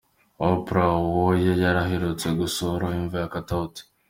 Oprah Uwoya yari aherutse gusura imva ya Katauti.